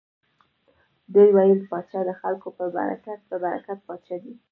دوی ویل پاچا د خلکو په برکت پاچا دی.